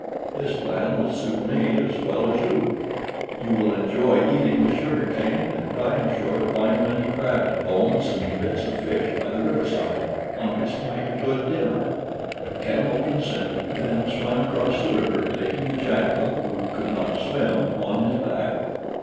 This plan will suit me as well as you. You will enjoy eating the sugarcane, and I am sure to find many crabs' bones and bits of fish by the riverside, on which to make a good dinner." The Camel consented, and swam across the river, taking the Jackal, who could not swim, on his back.